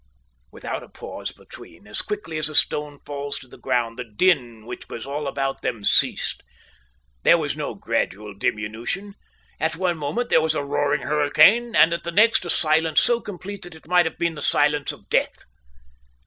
Without a pause between, as quickly as a stone falls to the ground, the din which was all about them ceased. There was no gradual diminution. But at one moment there was a roaring hurricane and at the next a silence so complete that it might have been the silence of death.